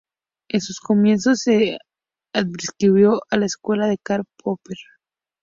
En sus comienzos se adscribió a la escuela de Karl Popper.